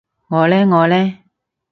我呢我呢？